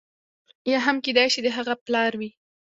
یا هم کېدای شي د هغه پلار وي.